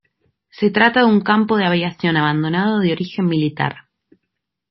Se trata de un campo de aviación abandonado de origen militar.